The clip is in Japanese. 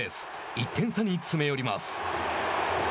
１点差に詰め寄ります。